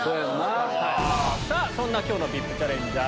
そんな今日のＶＩＰチャレンジャー